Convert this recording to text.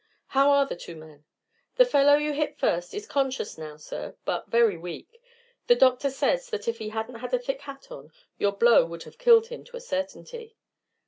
"How are the two men?" "The fellow you hit first is conscious now, sir, but very weak. The doctor says that if he hadn't had a thick hat on, your blow would have killed him to a certainty.